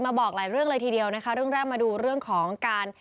บอกหลายเรื่องเลยทีเดียวนะคะเรื่องแรกมาดูเรื่องของการ